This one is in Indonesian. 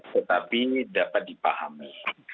tetapi dapat dipahami